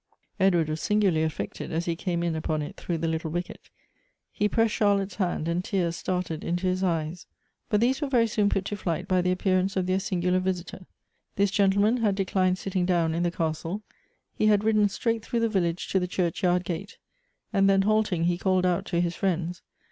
Edward was singularly affected as he came in upon it through the little wicket ; he pressed Charlotte's hand, and tears started into his eyes. But these were very soon put to flight, by the appearance of their singular visitor. This gentleman had declined sitting down in the castle ; he had ridden straight through the village to the church yard gate ; and then, halting, he called out to his friends.